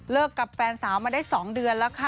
เริ่มกับแฟนสาวมาได้๒เดือนแล้ว